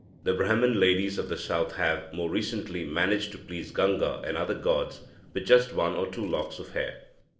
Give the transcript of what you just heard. The Brahman ladies of the south have more recently managed to please Ganga and other gods with just one or two locks of hair."